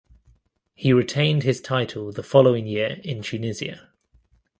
He retained his title the following year in Tunisia.